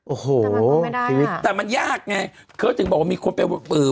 โอ้โหแต่มันก็ไม่ได้ล่ะแต่มันยากไงเขาถึงบอกว่ามีคนไปเอ่อ